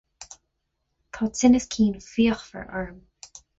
Tá tinneas cinn fíochmhar orm.